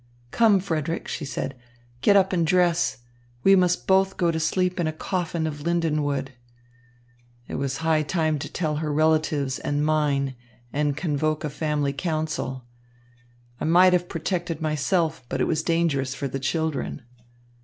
'Come, Frederick,' she said, 'get up and dress. We must both go to sleep in a coffin of linden wood.' It was high time to tell her relatives and mine and convoke a family council. I might have protected myself, but it was dangerous for the children.